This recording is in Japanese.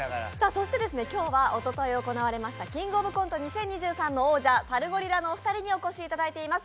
そして今日はおととい行われた「キングオブコント２０２３」から王者のサルゴリラのお二人にお越しいただいています